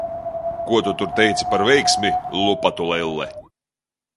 Ko tu tur teici par veiksmi, lupatu lelle?